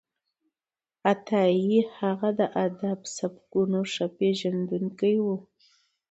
عطايي هغه د ادبي سبکونو ښه پېژندونکی و.